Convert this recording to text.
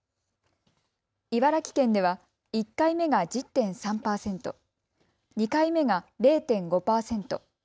茨城県では１回目が１０．３％、２回目が０．５％。